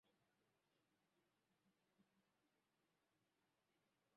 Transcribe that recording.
na mabadiliko ya sinapsi au mageuko ya neva ambayo hutokea katika maeneo hayo